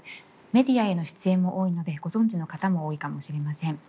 メディアへの出演も多いのでご存じの方も多いかもしれません。